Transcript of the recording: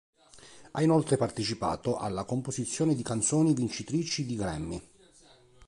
Ha inoltre partecipato alla composizione di canzoni vincitrici di Grammy.